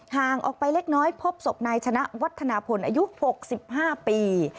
ห่างออกไปเล็กน้อยพบศพนายชนะวัฒนาพลอายุ๖๕ปี